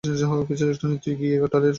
তুই গিয়ে toilet flush করে আয়।